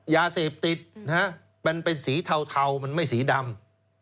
ยาเสพติดมันเป็นสีเทามันไม่สีดำ